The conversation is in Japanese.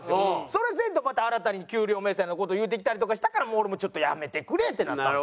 それせんとまた新たに給料明細の事言うてきたりとかしたからもう俺もちょっとやめてくれってなったんですよ。